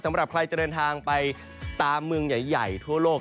สำหรับใครจะเดินทางไปตามเมืองใหญ่ทั่วโลก